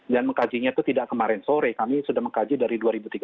dan mengkajinya itu tidak kemarin sore kami sudah mengkaji dari dua ribu tiga belas